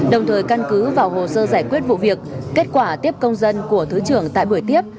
đồng thời căn cứ vào hồ sơ giải quyết vụ việc kết quả tiếp công dân của thứ trưởng tại buổi tiếp